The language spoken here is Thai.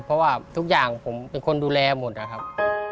เพราะว่าทุกอย่างผมเป็นคนดูแลหมดนะครับ